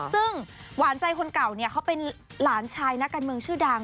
ซึ่งหวานใจคนเก่าเนี่ยเขาเป็นหลานชายนักการเมืองชื่อดัง